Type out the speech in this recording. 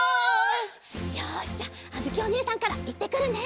よしじゃああづきおねえさんからいってくるね！